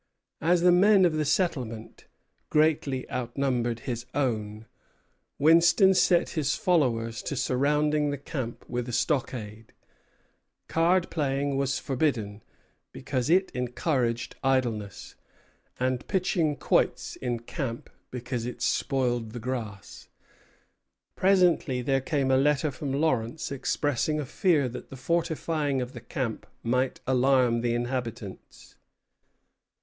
As the men of the settlement greatly outnumbered his own, Winslow set his followers to surrounding the camp with a stockade. Card playing was forbidden, because it encouraged idleness, and pitching quoits in camp, because it spoiled the grass. Presently there came a letter from Lawrence expressing a fear that the fortifying of the camp might alarm the inhabitants.